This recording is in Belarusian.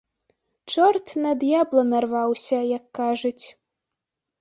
Чорт на д'ябла нарваўся, як кажуць.